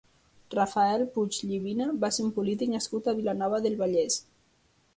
Rafael Puig Llivina va ser un polític nascut a Vilanova del Vallès.